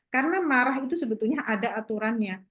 karena marah itu sebetulnya ada aturannya